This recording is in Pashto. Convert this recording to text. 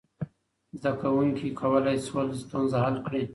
زده کوونکي کولی شول ستونزه حل کړي.